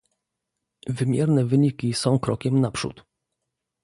Wymierne wyniki są krokiem naprzód